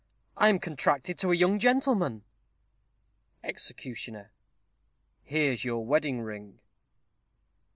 I am contracted To a young gentleman. Executioner. Here's your wedding ring.